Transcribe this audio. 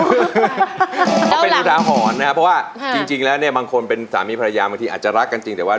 ก็เป็นอุทาหรณ์นะครับเพราะว่าจริงแล้วเนี่ยบางคนเป็นสามีภรรยาบางทีอาจจะรักกันจริงแต่ว่า